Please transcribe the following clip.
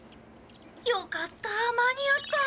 よかった間に合った。